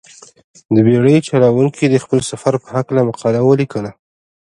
دې بېړۍ چلوونکي د خپل سفر په هلکه مقاله ولیکله.